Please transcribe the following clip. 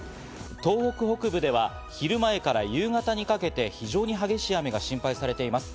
東北北部では昼前から夕方にかけて非常に激しい雨が心配されています。